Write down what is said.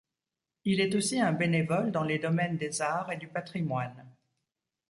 Il est aussi un bénévole dans les domaines des arts et du patrimoine.